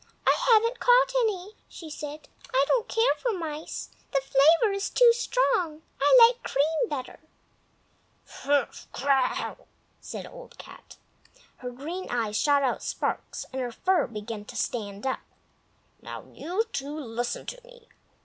"I haven't caught any," she said. "I don't care for mice, the flavor is too strong; I like cream better." "Ffffff! grrrr yow!" said Old Cat; her green eyes shot out sparks, and her fur began to stand up. "Now, you two, listen to me!